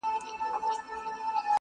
په هره تياره پسې رڼا ده.؟